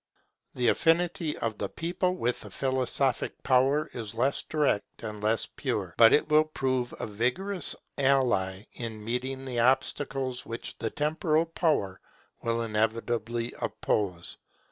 The affinity of the People with the philosophic power is less direct and less pure; but it will prove a vigorous ally in meeting the obstacles which the temporal power will inevitably oppose.